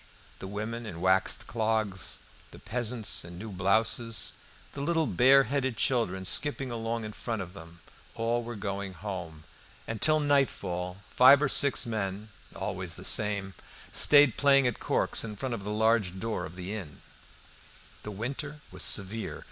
The women in waxed clogs, the peasants in new blouses, the little bare headed children skipping along in front of them, all were going home. And till nightfall, five or six men, always the same, stayed playing at corks in front of the large door of the inn. The winter was severe.